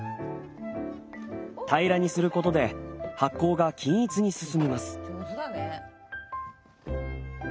平らにすることで発酵が均一に進みます。